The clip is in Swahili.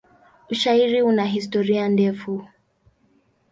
Ushairi una historia ndefu.